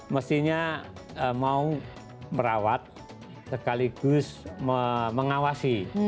mestinya mau merawat sekaligus mengawasi